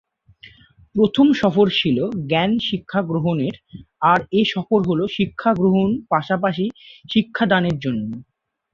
প্রথম সফর ছিল জ্ঞান শিক্ষা গ্রহণের আর এ সফর হলো শিক্ষা গ্রহণ পাশাপাশি শিক্ষাদানের জন্য।